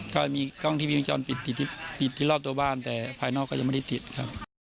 ก็จะมีกล้องทีวีมิจรปิดติดติดติดที่รอบตัวบ้านแต่ภายนอกก็จะไม่ได้ติดครับ